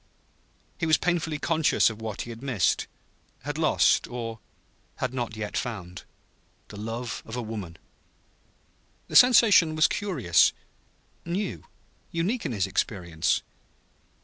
He was painfully conscious of what he had missed, had lost or had not yet found: the love of woman. The sensation was curious new, unique in his experience.